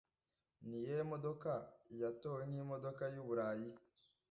Niyihe modoka yatowe nk' imodoka yu Burayi